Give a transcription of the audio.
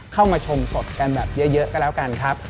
เข้ามาชมสดกันแบบเยอะก็แล้วกันครับ